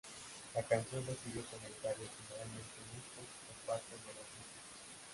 La canción recibió comentarios generalmente mixtos por parte de la crítica.